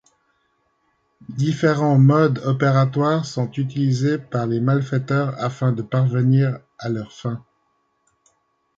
Différent modes opératoires sont utilisés par les malfaiteurs afin de parvenir à leurs fins.